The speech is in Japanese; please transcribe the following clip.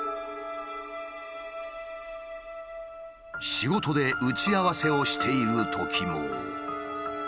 仕事で打ち合わせをしているときも。